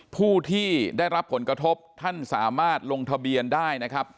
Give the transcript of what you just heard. ผู้ที่ได้รับผลกระทบท่านสามารถลงทะเบียนได้นะครับ